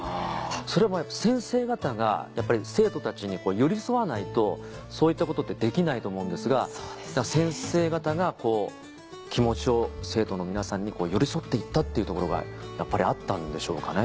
それは先生方がやっぱり生徒たちに寄り添わないとそういったことってできないと思うんですが先生方が気持ちを生徒の皆さんに寄り添っていったっていうところがやっぱりあったんでしょうかね。